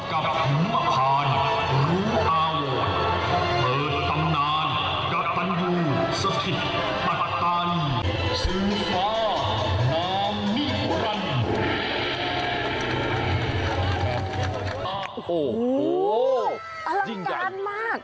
โอ้โหอลังการมาก